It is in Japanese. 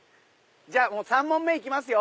じゃあ３問目いきますよ。